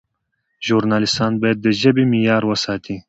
ژورنالیستان باید د ژبې معیار وساتي.